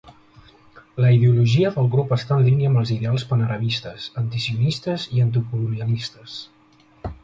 La ideologia del grup està en línia amb els ideals panarabistes, antisionistes i anticolonialistes.